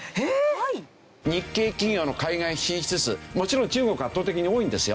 日系企業の海外進出数もちろん中国が圧倒的に多いんですよ。